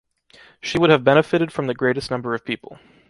She would have benefited from the greatest number of people.